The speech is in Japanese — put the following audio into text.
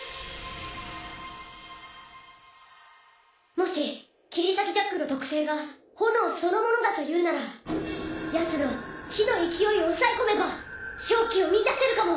もし切り裂きジャックの特性が炎そのものだというならやつの火の勢いを抑え込めば勝機を見いだせるかも！